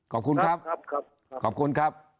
ขอบคุณครับขอบคุณครับ